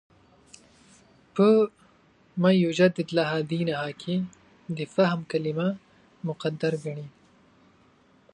په «مَن یُجَدِّدُ لَهَا دِینَهَا» کې د «فهم» کلمه مقدر ګڼي.